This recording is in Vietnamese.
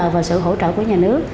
vào sự hỗ trợ của nhà nước